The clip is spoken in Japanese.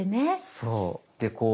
そう。